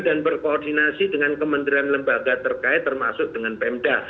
dan berkoordinasi dengan kementerian lembaga terkait termasuk dengan pemda